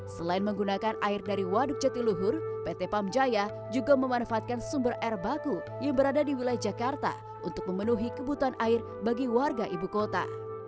selain menggunakan air dari waduk jatiluhur pt pamjaya juga memanfaatkan sumber air baku yang berada di wilayah jakarta untuk memenuhi kebutuhan air bagi warga ibu kota